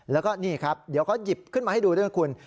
แล้วก็นี่ครับเดี๋ยวเขาหยิบขึ้นมาให้ดูด้วยนะคุณ